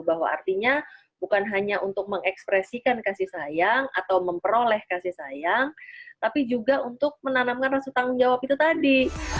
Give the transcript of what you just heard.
bahwa artinya bukan hanya untuk mengekspresikan kasih sayang atau memperoleh kasih sayang tapi juga untuk menanamkan rasa tanggung jawab itu tadi